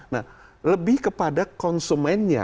nah lebih kepada konsumennya